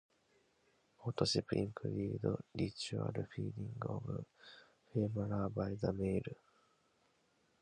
Courtship includes ritual feeding of the female by the male.